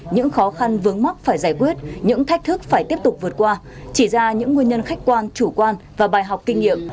những khó khăn vướng mắc phải giải quyết những thách thức phải tiếp tục vượt qua chỉ ra những nguyên nhân khách quan chủ quan và bài học kinh nghiệm